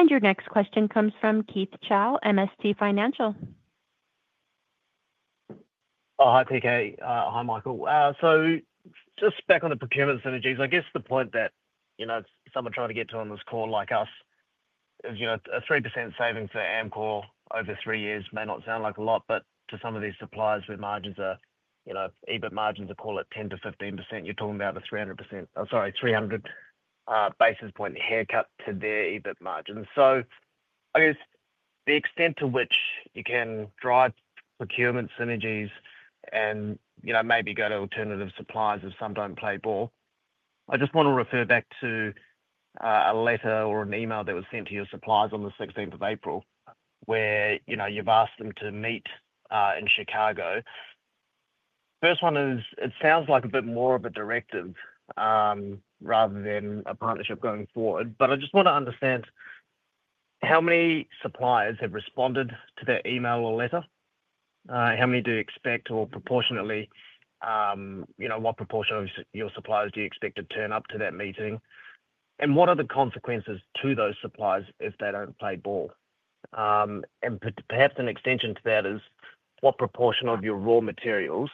Your next question comes from Keith Chau, MST Financial.
Hi, PK. Hi, Michael. Just back on the procurement synergies, I guess the point that someone trying to get to on this call like us is a 3% savings for Amcor over three years may not sound like a lot, but to some of these suppliers with EBIT margins, I call it 10% to 15%. You're talking about a 300 basis point haircut to their EBIT margins. I guess the extent to which you can drive procurement synergies and maybe go to alternative suppliers if some do not play ball, I just want to refer back to a letter or an email that was sent to your suppliers on the 16th of April where you've asked them to meet in Chicago. First one is it sounds like a bit more of a directive rather than a partnership going forward. I just want to understand how many suppliers have responded to that email or letter. How many do you expect or proportionately, what proportion of your suppliers do you expect to turn up to that meeting? What are the consequences to those suppliers if they don't play ball? Perhaps an extension to that is what proportion of your raw materials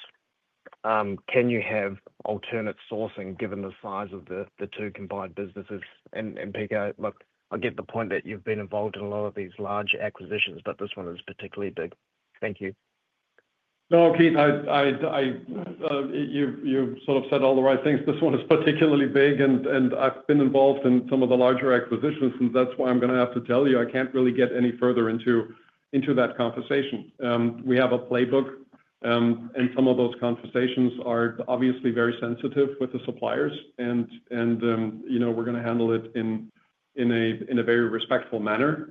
can you have alternate sourcing given the size of the two combined businesses? PK, look, I get the point that you've been involved in a lot of these large acquisitions, but this one is particularly big. Thank you.
No, Keith, you've sort of said all the right things. This one is particularly big, and I've been involved in some of the larger acquisitions, and that's why I'm going to have to tell you I can't really get any further into that conversation. We have a playbook, and some of those conversations are obviously very sensitive with the suppliers, and we're going to handle it in a very respectful manner.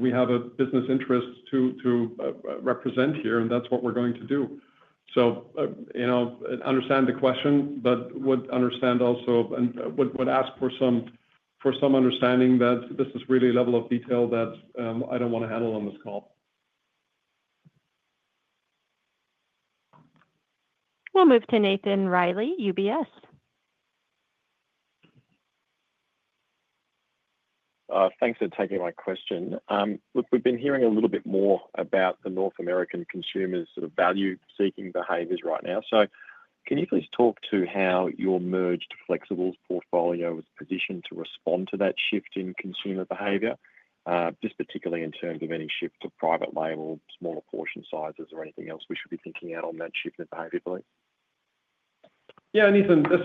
We have a business interest to represent here, and that's what we're going to do. I understand the question, but would understand also and would ask for some understanding that this is really a level of detail that I don't want to handle on this call.
We'll move to Nathan Reilly, UBS.
Thanks for taking my question. Look, we've been hearing a little bit more about the North American consumers' sort of value-seeking behaviors right now. Can you please talk to how your merged flexibles portfolio was positioned to respond to that shift in consumer behavior? Just particularly in terms of any shift to private label, smaller portion sizes, or anything else we should be thinking out on that shift in behavior, please?
Yeah, Nathan, this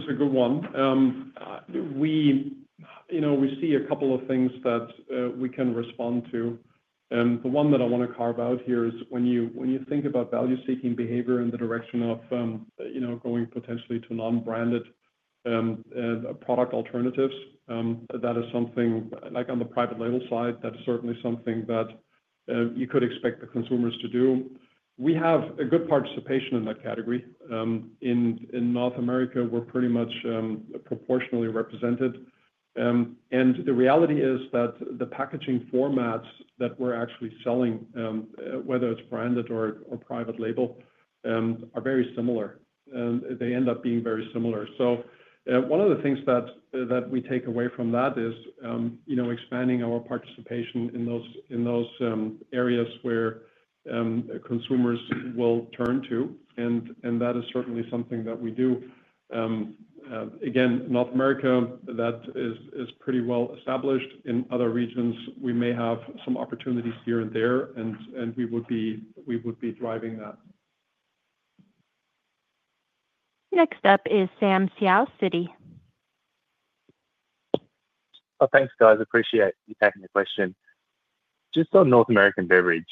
is a good one. We see a couple of things that we can respond to. The one that I want to carve out here is when you think about value-seeking behavior in the direction of going potentially to non-branded product alternatives, that is something like on the private label side, that is certainly something that you could expect the consumers to do. We have a good participation in that category. In North America, we're pretty much proportionally represented. The reality is that the packaging formats that we're actually selling, whether it's branded or private label, are very similar. They end up being very similar. One of the things that we take away from that is expanding our participation in those areas where consumers will turn to. That is certainly something that we do. Again, North America, that is pretty well established. In other regions, we may have some opportunities here and there, and we would be driving that.
Next up is Sam Seow, Citi.
Thanks, guys. Appreciate you taking the question. Just on North American beverage,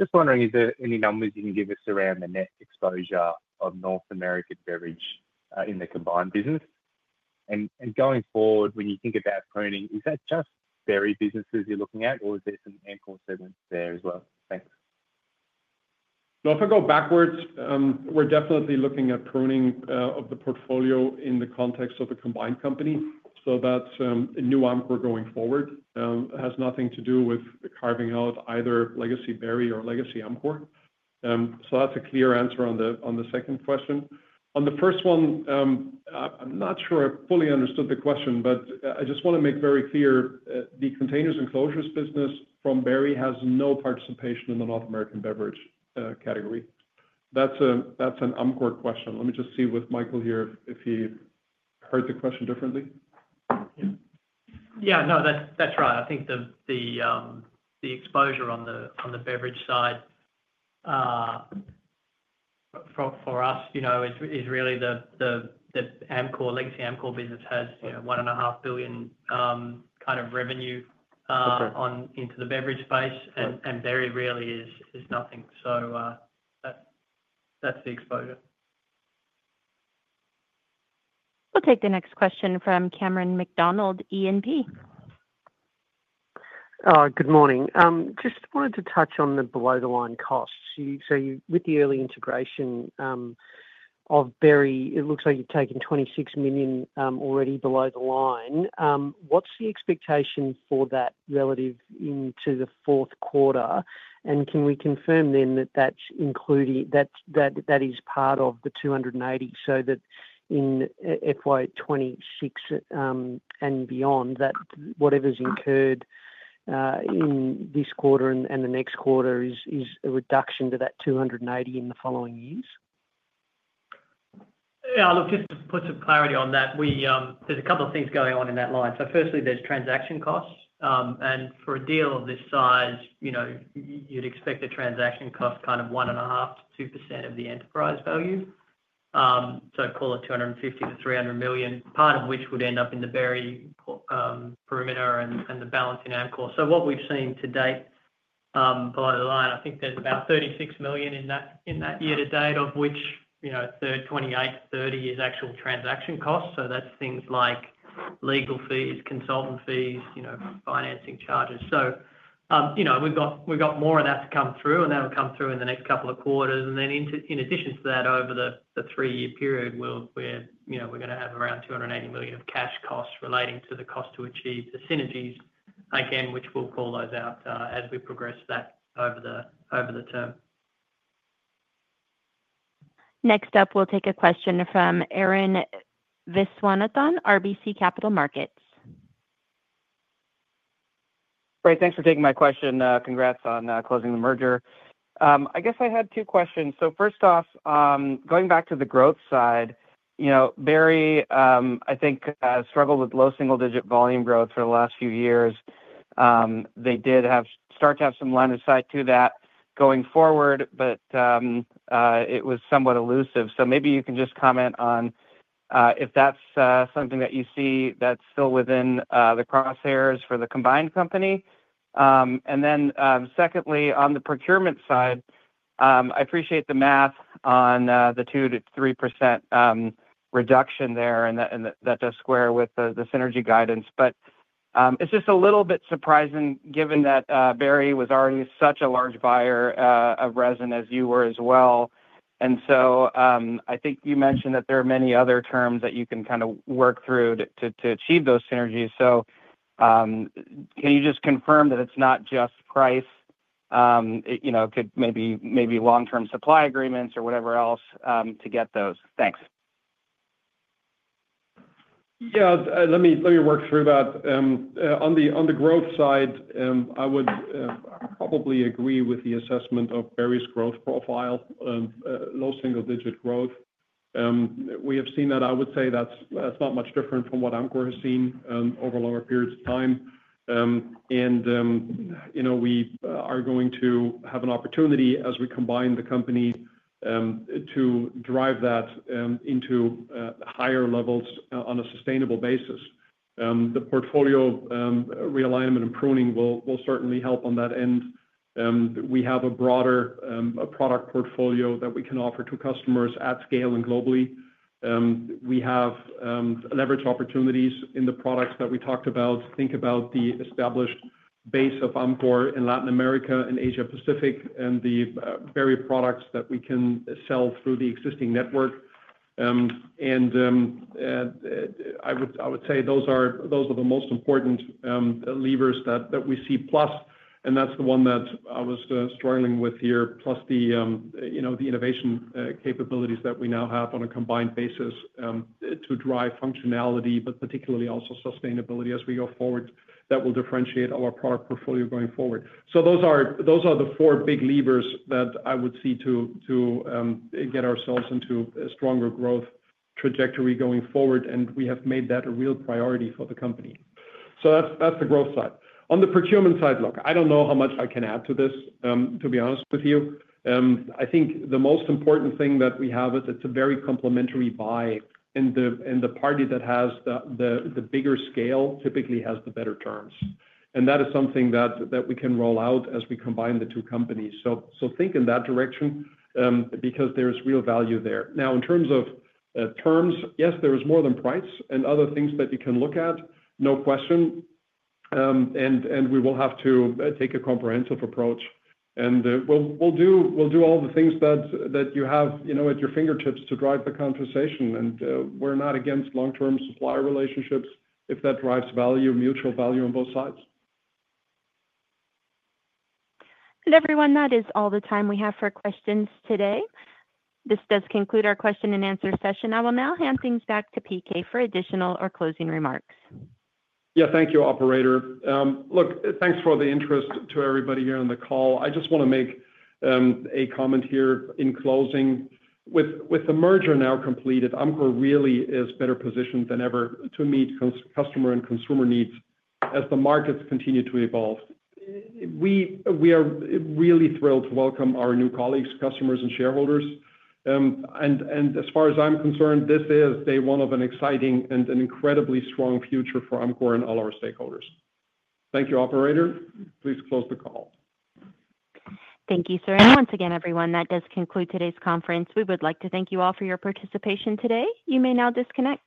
just wondering if there are any numbers you can give us around the net exposure of North American beverage in the combined business. Going forward, when you think about pruning, is that just dairy businesses you're looking at, or is there some Amcor segments there as well? Thanks.
No, if I go backwards, we're definitely looking at pruning of the portfolio in the context of a combined company. So that's a new Amcor going forward. It has nothing to do with carving out either legacy Berry or legacy Amcor. That's a clear answer on the second question. On the first one, I'm not sure I fully understood the question, but I just want to make very clear the containers and closures business from Berry has no participation in the North American beverage category. That's an Amcor question. Let me just see with Michael here if he heard the question differently.
Yeah, no, that's right. I think the exposure on the beverage side for us is really the legacy Amcor business has $1.5 billion kind of revenue into the beverage space, and Berry really is nothing. So that's the exposure.
We'll take the next question from Cameron McDonald, E&P.
Good morning. Just wanted to touch on the below-the-line costs. With the early integration of Berry, it looks like you've taken $26 million already below the line. What's the expectation for that relative into the fourth quarter? Can we confirm then that that is part of the $280 million so that in fiscal year 2026 and beyond, whatever's incurred in this quarter and the next quarter is a reduction to that $280 million in the following years?
Yeah, look, just to put some clarity on that, there's a couple of things going on in that line. Firstly, there's transaction costs. For a deal of this size, you'd expect a transaction cost kind of 1.5%-2% of the enterprise value, so call it $250 million-$300 million, part of which would end up in the Berry perimeter and the balance in Amcor. What we've seen to date below the line, I think there's about $36 million in that year to date, of which $28 million-$30 million is actual transaction costs. That's things like legal fees, consultant fees, financing charges. We've got more of that to come through, and that will come through in the next couple of quarters. In addition to that, over the three-year period, we're going to have around $280 million of cash costs relating to the cost to achieve the synergies, again, which we'll call those out as we progress that over the term.
Next up, we'll take a question from Arun Viswanathan, RBC Capital Markets.
Great. Thanks for taking my question. Congrats on closing the merger. I guess I had two questions. First off, going back to the growth side, Berry, I think, struggled with low single-digit volume growth for the last few years. They did start to have some line of sight to that going forward, but it was somewhat elusive. Maybe you can just comment on if that's something that you see that's still within the crosshairs for the combined company. Secondly, on the procurement side, I appreciate the math on the 2%-3% reduction there, and that does square with the synergy guidance. It is just a little bit surprising given that Berry was already such a large buyer of resin as you were as well. I think you mentioned that there are many other terms that you can kind of work through to achieve those synergies. Can you just confirm that it's not just price? It could maybe be long-term supply agreements or whatever else to get those. Thanks.
Yeah, let me work through that. On the growth side, I would probably agree with the assessment of Berry's growth profile, low single-digit growth. We have seen that. I would say that's not much different from what Amcor has seen over longer periods of time. We are going to have an opportunity as we combine the company to drive that into higher levels on a sustainable basis. The portfolio realignment and pruning will certainly help on that end. We have a broader product portfolio that we can offer to customers at scale and globally. We have leverage opportunities in the products that we talked about. Think about the established base of Amcor in Latin America and Asia-Pacific and the Berry products that we can sell through the existing network. I would say those are the most important levers that we see. Plus, and that's the one that I was struggling with here, plus the innovation capabilities that we now have on a combined basis to drive functionality, but particularly also sustainability as we go forward that will differentiate our product portfolio going forward. Those are the four big levers that I would see to get ourselves into a stronger growth trajectory going forward, and we have made that a real priority for the company. That's the growth side. On the procurement side, look, I don't know how much I can add to this, to be honest with you. I think the most important thing that we have is it's a very complementary buy, and the party that has the bigger scale typically has the better terms. That is something that we can roll out as we combine the two companies. Think in that direction because there is real value there. Now, in terms of terms, yes, there is more than price and other things that you can look at, no question. We will have to take a comprehensive approach. We will do all the things that you have at your fingertips to drive the conversation. We are not against long-term supplier relationships if that drives value, mutual value on both sides.
Everyone, that is all the time we have for questions today. This does conclude our question and answer session. I will now hand things back to PK for additional or closing remarks.
Yeah, thank you, Operator. Look, thanks for the interest to everybody here on the call. I just want to make a comment here in closing. With the merger now completed, Amcor really is better positioned than ever to meet customer and consumer needs as the markets continue to evolve. We are really thrilled to welcome our new colleagues, customers, and shareholders. As far as I'm concerned, this is day one of an exciting and an incredibly strong future for Amcor and all our stakeholders. Thank you, Operator. Please close the call.
Thank you, sir. Once again, everyone, that does conclude today's conference. We would like to thank you all for your participation today. You may now disconnect.